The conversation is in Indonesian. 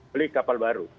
beli kapal baru